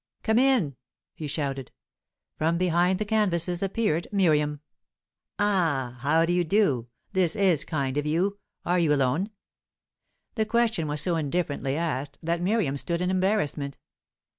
"Come in!" he shouted. From behind the canvases appeared Miriam. "Ah! How do you do? This is kind of you. Are you alone?" The question was so indifferently asked, that Miriam stood in embarrassment.